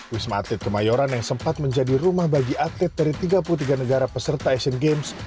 wisma atlet kemayoran yang sempat menjadi rumah bagi atlet dari tiga puluh tiga negara peserta asian games